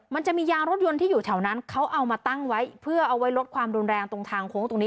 มันจะมียางรถยนต์ที่อยู่แถวนั้นเขาเอามาตั้งไว้เพื่อเอาไว้ลดความรุนแรงตรงทางโค้งตรงนี้